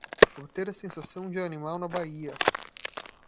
Obter a sensação de um animal na baía!